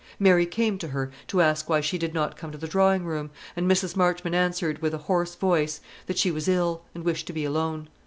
Mary came to her to ask why she did not come to the drawing room, and Mrs. Marchmont answered, with a hoarse voice, that she was ill, and wished to be alone.